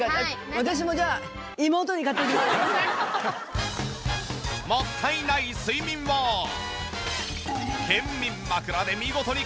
私もじゃあもったいない睡眠も健眠枕で見事に解消！